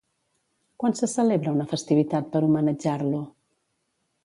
Quan se celebra una festivitat per homenatjar-lo?